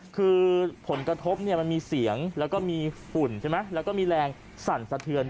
คือผลกระทบมันมีเสียงแล้วก็มีฝุ่นใช่ไหมแล้วก็มีแรงสั่นสะเทือน